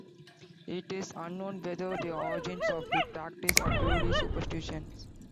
It is unknown whether the origins of the practice are purely superstitious.